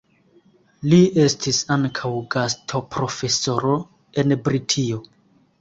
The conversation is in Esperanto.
Li estis ankaŭ gastoprofesoro en Britio.